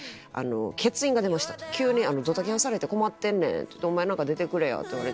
欠員が出ましたと急にドタキャンされて困ってんねんお前何か出てくれやって言われて。